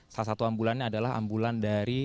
salah satu ambulannya adalah ambulan dari